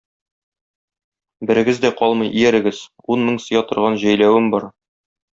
Берегез дә калмый иярегез, ун мең сыя торган җәйләвем бар.